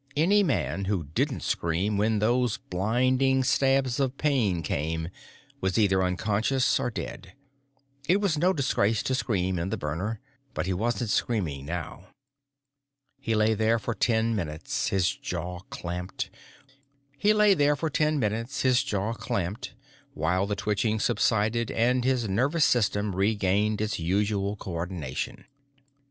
Any man who didn't scream when those blinding stabs of pain came was either unconscious or dead it was no disgrace to scream in the burner. But he wasn't screaming now. He lay there for ten minutes, his jaw clamped, while the twitching subsided and his nervous system regained its usual co ordination.